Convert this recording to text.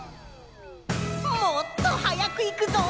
もっとはやくいくぞ！